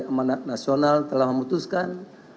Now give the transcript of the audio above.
emanat nasional telah memutuskan